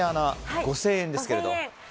５０００円ですけども。